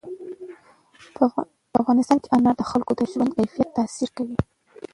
په افغانستان کې انار د خلکو د ژوند کیفیت تاثیر کوي.